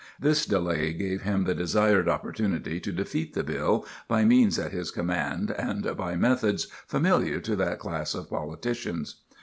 This delay gave him the desired opportunity to defeat the bill, by means at his command and by methods familiar to that class of politicians.